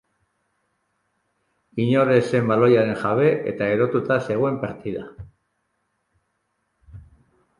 Inor ez zen baloiaren jabe eta erotuta zegoen partida.